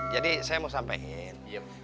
jadi saya mau sampaikan